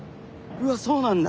うわそうなんだ。